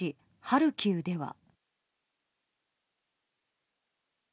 ハルキウでは。